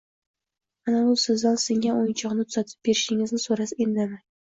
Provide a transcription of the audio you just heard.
Agar u sizdan singan o‘yinchog‘ini tuzatib berishingizni so‘rasa, indamang.